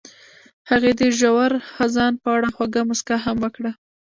هغې د ژور خزان په اړه خوږه موسکا هم وکړه.